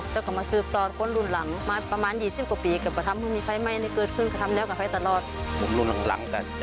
ถึงยึดอาชีพเกษตรกรรม